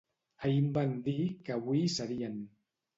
Ahir em van dir que avui hi serien